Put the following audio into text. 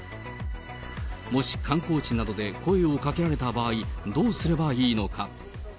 もし観光地などで声をかけられた場合、どうすればいいのか。